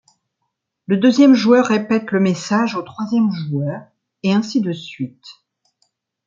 Le deuxième joueur répète le message au troisième joueur, et ainsi de suite.